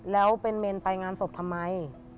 แล้วเป็นเมนไปงานศพทำไม